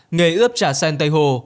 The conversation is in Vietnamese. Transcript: nghề ướp trả sen tây hồ